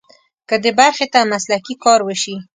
که دې برخې ته مسلکي کار وشي.